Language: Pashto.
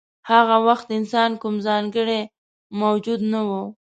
هغه وخت انسان کوم ځانګړی موجود نه و.